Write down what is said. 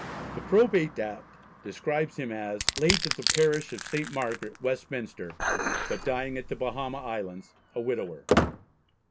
The probate act describes him "as late of the parish of St. Margaret, Westminster, but dying at the Bahama Islands, a widower."